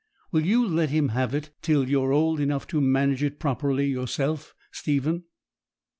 Will you let him have it till you are old enough to manage it properly yourself, Stephen?'